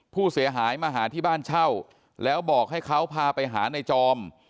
ผู้เสียหายมาหาที่บ้านเช่าแล้วบอกให้เขาพาไปหาในจอม